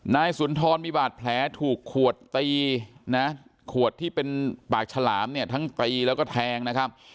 นายสุนทรมีบาดแผลถูกขวดตีนะขวดที่เป็นปากฉลามเนี่ยทั้งตีแล้วก็แทงนะครับ